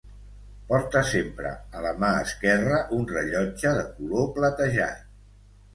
Porta sempre a la mà esquerra un rellotge de color platejat.